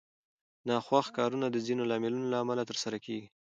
ناخوښ کارونه د ځینو لاملونو له امله ترسره کېږي.